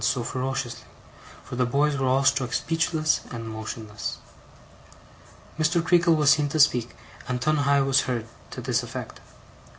so ferociously, for the boys were all struck speechless and motionless. Mr. Creakle was seen to speak, and Tungay was heard, to this effect.